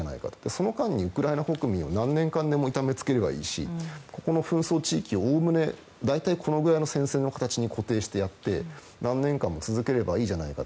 その間にウクライナ国民何年間でも痛めつければいいしここの紛争地域を大体このぐらいの戦線の形に固定してやって何年間も続ければいいじゃないか。